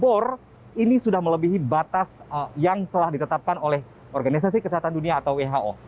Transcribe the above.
bor ini sudah melebihi batas yang telah ditetapkan oleh organisasi kesehatan dunia atau who